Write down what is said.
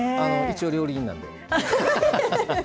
一応料理人なんでね。